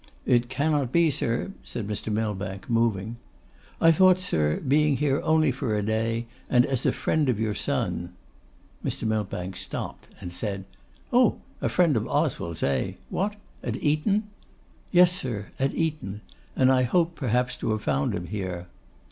'It cannot be, sir,' said Mr. Millbank, moving. 'I thought, sir, being here only for a day, and as a friend of your son ' Mr. Millbank stopped and said, 'Oh! a friend of Oswald's, eh? What, at Eton?' 'Yes, sir, at Eton; and I had hoped perhaps to have found him here.